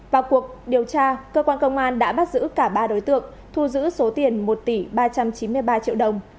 vào cuộc điều tra cơ quan công an đã bắt giữ cả ba đối tượng thu giữ số tiền một tỷ ba trăm chín mươi ba triệu đồng